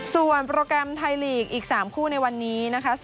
ส่วนโปรแกรมไทยลีกอีก๓คู่ในวันนี้นะคะ